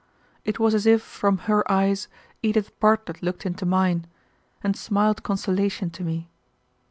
It was as if from her eyes Edith Bartlett looked into mine, and smiled consolation to me.